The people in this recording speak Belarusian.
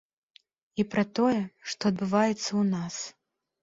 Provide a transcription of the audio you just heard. І пра тое, што адбываецца ў нас.